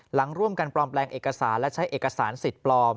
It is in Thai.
หลังร่วมกันปลอมแปลงเอกสารและใช้เอกสารสิทธิ์ปลอม